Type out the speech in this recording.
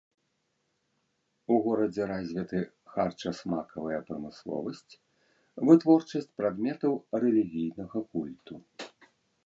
У горадзе развіты харчасмакавая прамысловасць, вытворчасць прадметаў рэлігійнага культу.